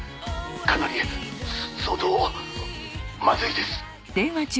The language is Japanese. かなり相当まずいです。